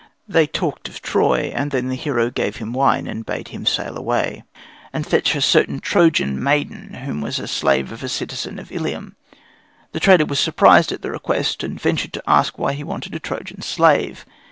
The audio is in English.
They talked of Troy, and then the hero gave him wine, and bade him sail away and fetch him a certain Trojan maiden who was the slave of a citizen of Ilium. The trader was surprised at the request, and ventured to ask why he wanted a Trojan slave.